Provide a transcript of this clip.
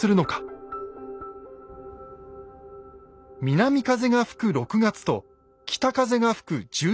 南風が吹く６月と北風が吹く１２月を比較します。